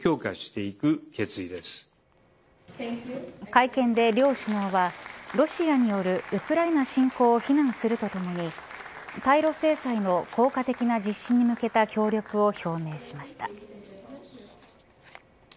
会見で両首脳はロシアによるウクライナ侵攻を非難するとともに対露制裁の効果的な実施に向けた協力も表明しました。